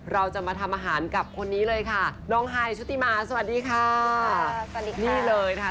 เราจะมาทำอาหารกับคนนี้เลยค่ะน้องไฮชุติมาสวัสดีค่ะสวัสดีค่ะนี่เลยนะคะ